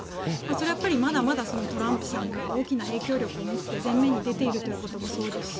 それはまだまだトランプさんが大きな影響力を持って前面に出ているということもそうですし。